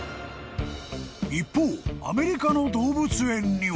［一方アメリカの動物園には］